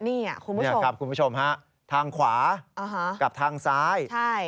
นี่ครับคุณผู้ชมทางขวากับทางซ้าย